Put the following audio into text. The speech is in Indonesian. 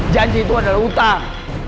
janji itu adalah utang